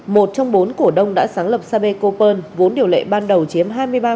một trong bốn cổ đông đã sáng lập sapecopearl vốn điều lệ ban đầu chiếm hai mươi ba